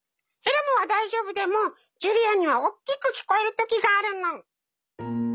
エルモは大丈夫でもジュリアにはおっきく聞こえる時があるの。